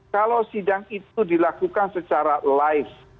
kalau sidang itu dilakukan secara live